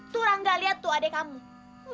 tuh orang gak lihat tuh adek kamu